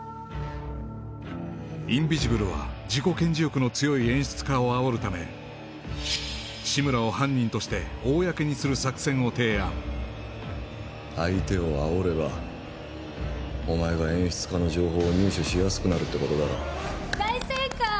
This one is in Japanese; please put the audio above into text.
インビジブルは自己顕示欲の強い演出家をあおるため志村を犯人として公にする作戦を提案相手をあおればお前が演出家の情報を入手しやすくなるってことだろ大正解！